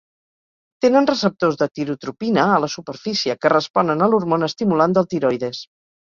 Tenen receptors de tirotropina a la superfície, que responen a l'hormona estimulant del tiroides.